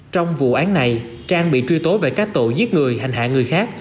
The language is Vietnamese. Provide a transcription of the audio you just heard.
trong vụ án này trang bị truy tố về các tội giết người hành hạ người khác